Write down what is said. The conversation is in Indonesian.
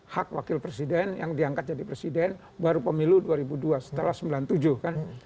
hak wakil presiden yang diangkat jadi presiden baru pemilu dua ribu dua setelah sembilan puluh tujuh kan